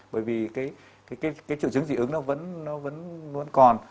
bởi vì cái triệu chứng dị ứng nó vẫn còn